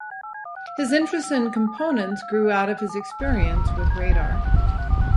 His interest in components grew out of his experience with radar.